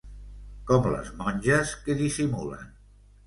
Com les monges que dissimulen.